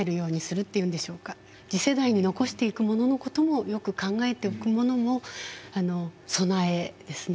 次世代に残していくもののこともよく考えておくのも備えですね。